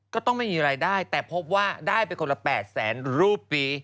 ก็ต้องมีอะไรได้แต่พบว่าได้เป็นคนละ๘แสนรูปี